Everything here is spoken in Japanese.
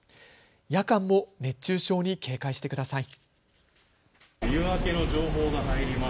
夜間も熱中症に警戒してください。